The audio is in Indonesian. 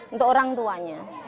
untuk orang tuanya